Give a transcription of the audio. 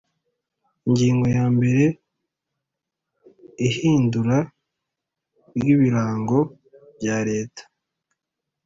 Ingingo ya mbere Ihindura ry ibirango byaleta